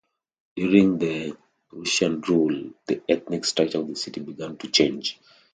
During the Prussian rule the ethnic structure of the city began to change.